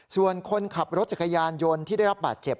ส่วนคนขับรถจักรยานยนต์ที่ได้รับบาดเจ็บ